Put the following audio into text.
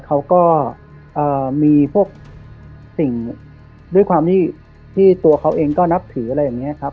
เขาก็มีพวกสิ่งด้วยความที่ตัวเขาเองก็นับถืออะไรอย่างนี้ครับ